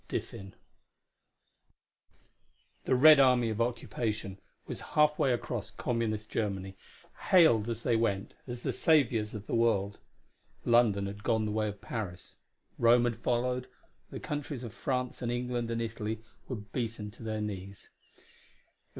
The Red Army of occupation was halfway across communist Germany, hailed as they went as the saviors of the world. London had gone the way of Paris; Rome had followed; the countries of France and England and Italy were beaten to their knees.